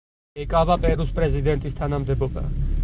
ეკავა პერუს პრეზიდენტის თანამდებობა.